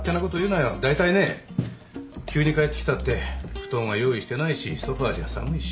だいたいね急に帰ってきたって布団は用意してないしソファじゃ寒いし。